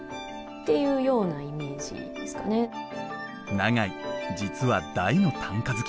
永井実は大の短歌好き。